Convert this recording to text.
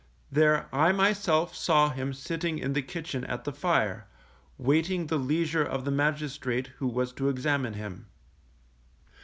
There I myself saw him sitting in the kitchen at the fire, waiting the leisure of the magistrate who was to examine him.